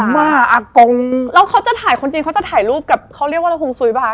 แล้วเขาจะถ่ายคนจีนก็จะถ่ายรูปกับเขาเรียกว่าระคงซุ้ยเปล่า